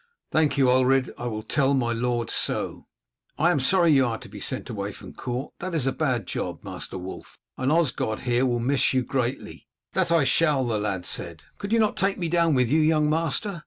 "Thank you, Ulred, I will tell my lord so." "I am sorry you are to be sent away from court. That is a bad job, Master Wulf, and Osgod here will miss you greatly." "That shall I," the lad said. "Could you not take me down with you, young master?